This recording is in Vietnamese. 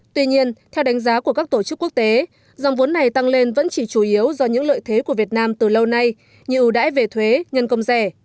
tuy nhiên theo đánh giá của các tổ chức quốc tế dòng vốn này tăng lên vẫn chỉ chủ yếu do những lợi thế của việt nam từ lâu nay như ưu đãi về thuế nhân công rẻ